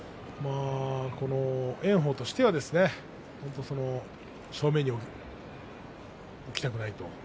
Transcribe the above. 炎鵬としては正面に置きたくないと。